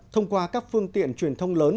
thông qua các phương tiện truyền thông lớn